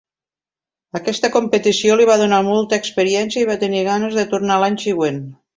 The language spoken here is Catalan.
Aquesta competició li va donar molta experiència i va tenir ganes de tornar l'any següent.